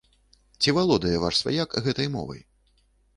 Ці валодае ваш сваяк гэтай мовай?